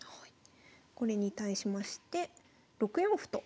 これに対しまして６四歩と。